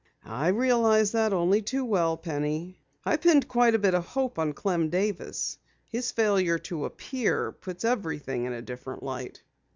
"I realize that only too well, Penny. I pinned quite a bit of hope on Clem Davis. His failure to appear puts everything in a different light."